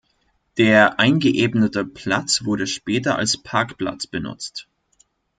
Der eingeebnete Platz wurde später als Parkplatz benutzt.